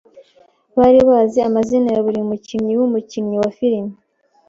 Bari bazi amazina ya buri mukinnyi wumukinnyi wa filime.